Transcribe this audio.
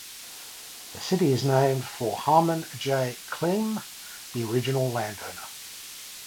The city is named for Harmon J. Klemme, the original land owner.